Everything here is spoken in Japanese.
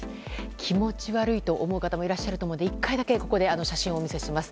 気持ち悪いと思う方もいらっしゃると思いますが１回だけここで写真をお見せします。